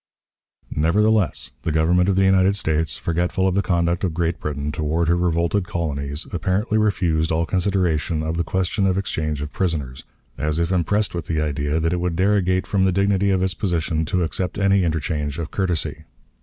Nevertheless, the Government of the United States, forgetful of the conduct of Great Britain toward her revolted colonies, apparently refused all consideration of the question of exchange of prisoners, as if impressed with the idea that it would derogate from the dignity of its position to accept any interchange of courtesy.